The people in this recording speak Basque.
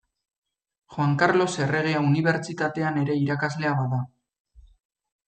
Joan Karlos Erregea Unibertsitatean ere irakaslea bada.